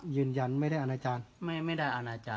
ยืนยันไม่ได้อนาจารย์